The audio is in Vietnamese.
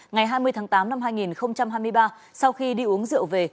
ngày hai mươi tháng tám năm hai nghìn hai mươi ba sau khi đi uống rượu về